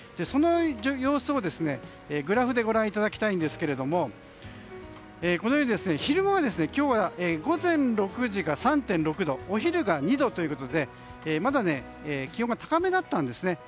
その様子をグラフでご覧いただきたいんですがこのように、昼間は今日は午前６時が３．６度お昼が２度ということでまだ気温が高めだったんです。